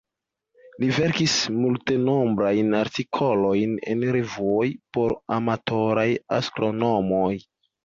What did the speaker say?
Li verkis multenombrajn artikolojn en revuoj por amatoraj astronomoj.